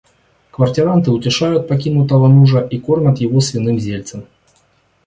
Квартиранты утешают покинутого мужа и кормят его свиным зельцем.